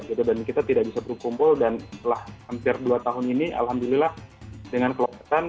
jadi kita tidak bisa berkumpul dan setelah hampir dua tahun ini alhamdulillah dengan kelepasan